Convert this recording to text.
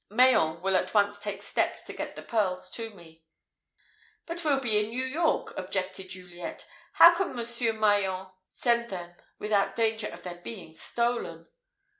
Mayen will at once take steps to get the pearls to me." "But we'll be in New York," objected Juliet. "How can Monsieur Mayen send them without danger of their being stolen?"